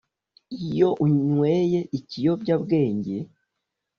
Iyo unyweye ikiyobyabwenge